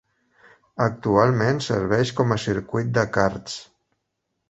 Actualment serveix com a circuit de karts.